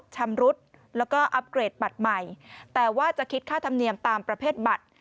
ชำรุดแล้วก็อัพเกรดบัตรใหม่แต่ว่าจะคิดค่าธรรมเนียมตามประเภทบัตร